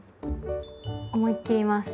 思いっ切ります。